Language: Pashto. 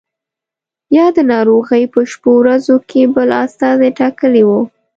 یا د ناروغۍ په شپو ورځو کې بل استازی ټاکلی وو.